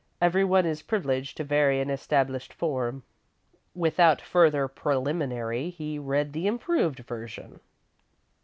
Every one is privileged to vary an established form." Without further preliminary, he read the improved version.